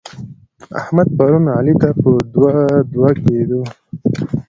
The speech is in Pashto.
احمد؛ پرون علي ته په دوه دوه کېدو.